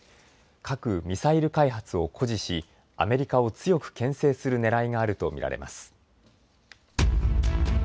核・ミサイル開発を誇示しアメリカを強くけん制するねらいがあると見られます。